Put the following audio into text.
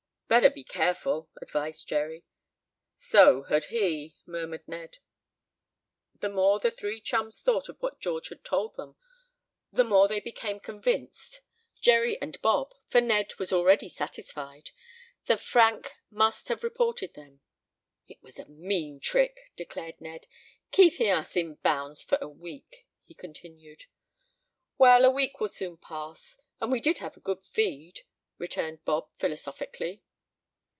"Better be careful," advised Jerry. "So had he," murmured Ned. The more the three chums thought of what George had told them, the more they became convinced (Jerry and Bob, for Ned was already satisfied) that Frank must have reported them. "It was a mean trick!" declared Ned. "Keeping us in bounds for a week!" he continued. "Well, a week will soon pass, and we did have a good feed," returned Bob philosophically.